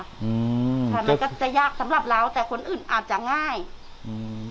มันก็จะยากสำหรับเราแต่คนอื่นอาจจะง่าย